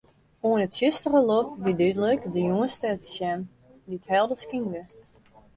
Oan 'e tsjustere loft wie dúdlik de Jûnsstjer te sjen, dy't helder skynde.